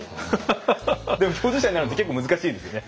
でも共事者になるって結構難しいですよね